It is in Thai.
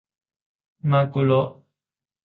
มากุโระ !